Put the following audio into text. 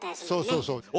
そうそう。